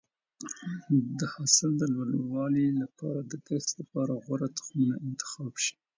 د حاصل د لوړوالي لپاره د کښت لپاره غوره تخمونه انتخاب شي.